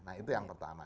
nah itu yang pertama